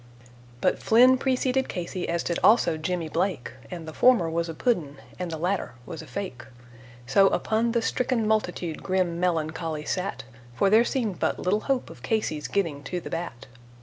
But Flynn preceded Casey, as did also Jimmy Blake, And the former was a pudd'n, and the latter was a fake, So upon the stricken multitude grim melancholy sat, For there seemed but little hope of Casey's getting to the bat.